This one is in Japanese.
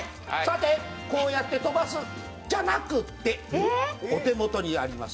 こうやって飛ばすじゃなくて、お手元にあります